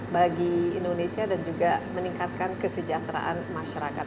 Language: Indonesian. bagi indonesia dan juga meningkatkan kesejahteraan masyarakat